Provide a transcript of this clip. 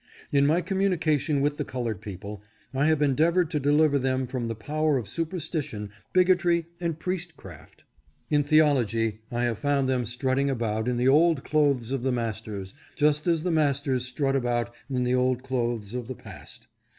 In my communication with the colored people I have endeavored to deliver them from the power of superstition, bigotry, and priest craft. In theology I have found them strutting about in the old WHAT MEN SOW THEY WILL REAP. 583 clothes of the masters, just as the masters strut about in the old clothes of the past.